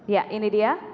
ya ini dia